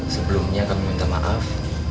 sebelumnya kami minta maaf